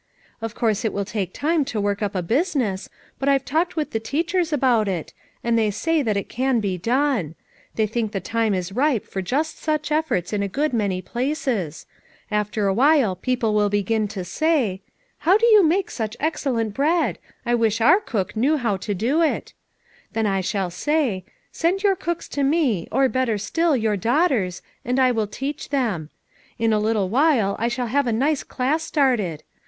Of course it will take time to work up a business, but I've talked with the teachers about it; and they say it can be done; they think the time is ripe for just such efforts in a good many places. After a while people will begin to say: 309 310 FOUR MOTHERS AT CHAUTAUQUA " 'How do you make such excellent bread? I wish our cook knew how to do it. ' Then I shall say: 'Send your cooks to me, or, better still, your daughters, and I will teach them.' In a little while I shall have a nice class started.